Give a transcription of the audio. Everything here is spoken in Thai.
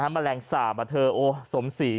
มะแรงสาบอะเธอโอ้สมศรี